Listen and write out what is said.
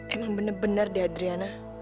emang benar benar dia adriana